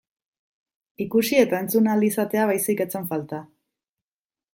Ikusi eta entzun ahal izatea baizik ez zen falta.